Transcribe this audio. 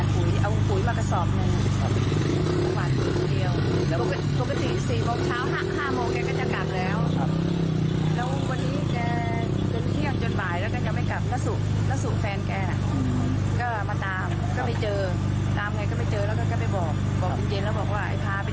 เครื่องก็ไม่เห็นคนก็ไม่เห็นหรือก็มารอบนึงแล้วไม่เจอแล้วมันมืด